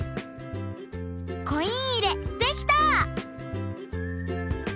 コイン入れできた！